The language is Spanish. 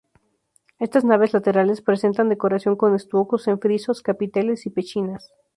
Estas naves laterales presentan decoración con estucos en frisos, capiteles y pechinas.